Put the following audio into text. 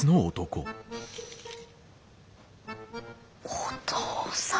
お父さん。